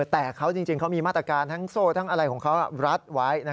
แต่เขาจริงเขามีมาตรการทั้งโซ่ทั้งอะไรของเขารัดไว้